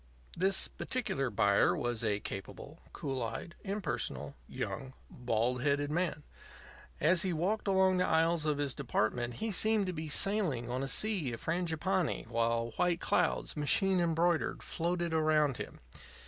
This particular buyer was a capable, cool eyed, impersonal, young, bald headed man. As he walked along the aisles of his department he seemed to be sailing on a sea of frangipanni, while white clouds, machine embroidered, floated around him.